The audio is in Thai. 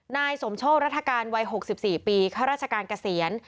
นายสมโชครัฐกาลวัย๖๔ปีข้าราชการเกษียณ